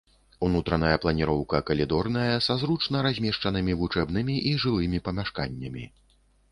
Унутраная планіроўка калідорная са зручна размешчанымі вучэбнымі і жылымі памяшканнямі.